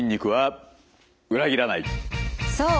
そう！